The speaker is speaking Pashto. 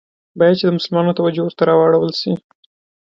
باید چي د مسلمانانو توجه ورته راوړوله سي.